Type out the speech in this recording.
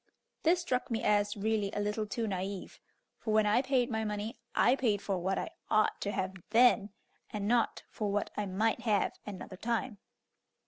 This struck me as really a little too naive, for when I paid my money I paid for what I ought to have then, and not for what I might have another time.